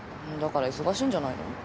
だから忙しいんじゃないの？